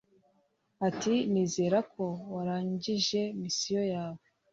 ati”nizereko warangije mission yawe”